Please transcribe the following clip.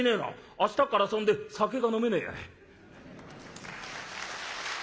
明日っから遊んで酒が飲めねえやい」。